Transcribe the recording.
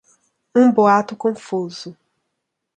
um boato confuso